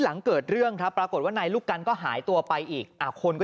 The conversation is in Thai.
หลังเกิดเรื่องครับปรากฏว่านายลูกกันก็หายตัวไปอีกคนก็